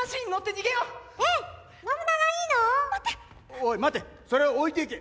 おい待てそれを置いていけ。